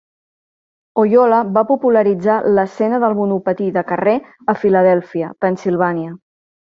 Oyola va popularitzar l'escena del monopatí de carrer a Filadèlfia, Pennsilvània.